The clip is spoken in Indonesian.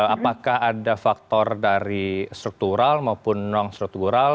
apakah ada faktor dari struktural maupun non struktural